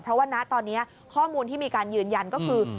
เพราะว่านะตอนนี้ข้อมูลที่มีการยืนยันก็คือ